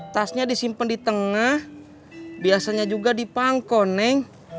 tasnya disimpen di tengah biasanya juga dipangkon neng